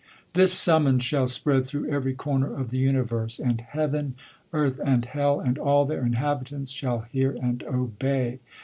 This summons shall spread through every corner of the universe; and Heaven, Earth, and Hell, and al! their inhabitants, shall hear and obev.